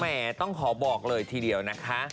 ต้องขอบอกเลยทีเดียวนะคะ